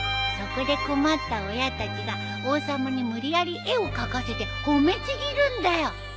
そこで困った親たちが王様に無理やり絵を描かせて褒めちぎるんだよ。